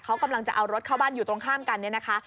เขากำลังจะเอารถเข้าบ้านอยู่ตรงข้ามกันเนี่ยนะคะ